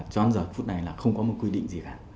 trong giờ phút này là không có một quy định gì cả